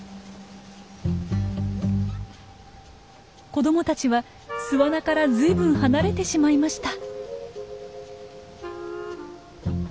子供たちは巣穴からずいぶん離れてしまいました。